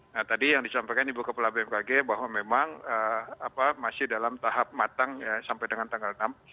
nah tadi yang disampaikan ibu kepala bmkg bahwa memang masih dalam tahap matang sampai dengan tanggal enam